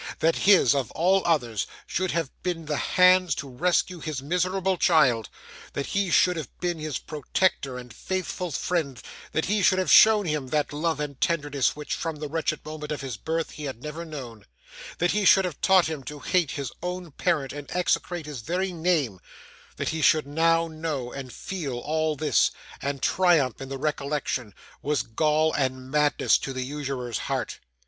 That his, of all others, should have been the hands to rescue his miserable child; that he should have been his protector and faithful friend; that he should have shown him that love and tenderness which, from the wretched moment of his birth, he had never known; that he should have taught him to hate his own parent and execrate his very name; that he should now know and feel all this, and triumph in the recollection; was gall and madness to the usurer's heart.